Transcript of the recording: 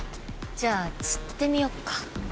じゃあ釣ってみよっか？